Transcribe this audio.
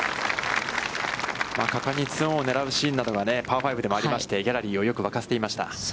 果敢にツアーを狙うシーンなどがパー５でもありまして、ギャラリーを沸かせていました。